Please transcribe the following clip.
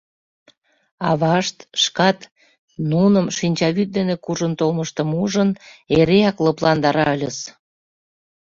Авашт шкат, нуным шинчавӱд дене куржын толмыштым ужын, эреак лыпландара ыльыс!